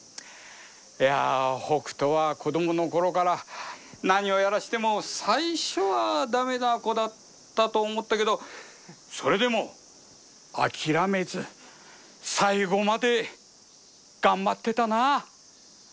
いや北斗は子供の頃から何をやらせても最初は駄目な子だったと思ったけどそれでも諦めず最後まで頑張ってたな。